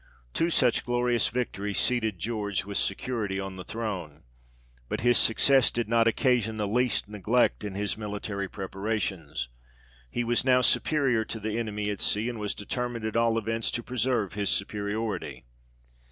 Two such glorious victories seated George with security on the throne. But his success did not occasion the least neglect in his military preparations ; he was now superior to the enemy at sea, and was determined, at all events, to preserve his superiority.